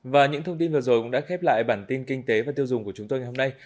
và những thông tin vừa rồi cũng đã khép lại bản tin kinh tế và tiêu dùng của chúng tôi ngày hôm nay